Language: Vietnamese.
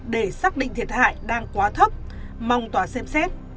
để xác định thiệt hại đang quá thấp mong tòa xem xét